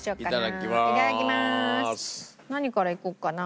何からいこうかな。